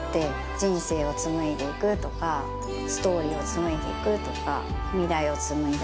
人生を紡いで行くとかストーリーを紡いで行くとか未来を紡いだり。